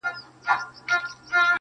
o په جنگ کي اسان نه چاغېږي.